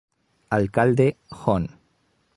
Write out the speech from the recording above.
Alcalde: Hon.